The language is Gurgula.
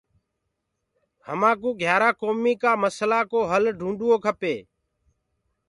همآ ڪو گھيآرآ ڪومي ڪآ مسلآ ڪو هل ڍونڊڻ کپي۔